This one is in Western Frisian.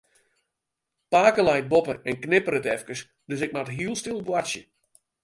Pake leit boppe en knipperet efkes, dus ik moat hiel stil boartsje.